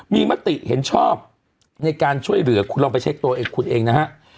มีมติเห็นชอบในการช่วยเหลือคุณลองไปเช็คตัวเองคุณเองนะฮะ